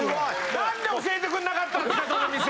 なんで教えてくんなかったんすかその店！